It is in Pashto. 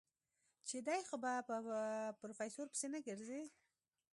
چې دی خو به په پروفيسر پسې نه ګرځي.